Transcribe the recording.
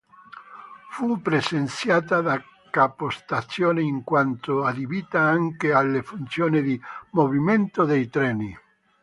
Fu presenziata da capostazione in quanto adibita anche alle funzioni di movimento dei treni.